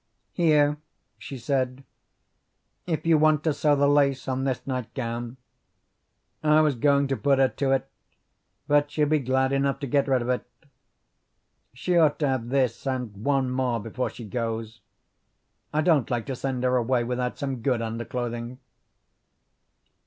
"Here," she said, "if you want to sew the lace on this nightgown. I was going to put her to it, but she'll be glad enough to get rid of it. She ought to have this and one more before she goes. I don't like to send her away without some good underclothing."